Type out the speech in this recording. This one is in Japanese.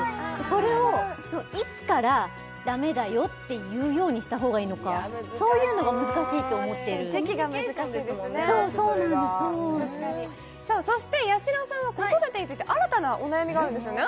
それをいつからダメだよって言うようにした方がいいのかそういうのが難しいって思ってるいや難しいコミュニケーションですもんねだってそれが確かにさあそしてやしろさんは子育てについて新たなお悩みがあるんですよね？